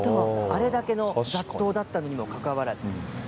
あれだけの雑踏だったにもかかわらず。